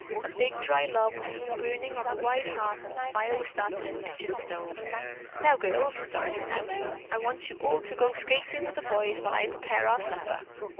A big dry log was soon burning on the wide hearth and a fire was started in the kitchen stove. "Now, girls," Doris announced, "I want you all to go skating with the boys while I prepare our supper."